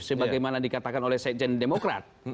sebagaimana dikatakan oleh sekjen demokrat